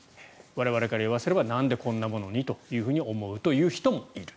我々から言わせればなんでこんなものにとなる人もいる。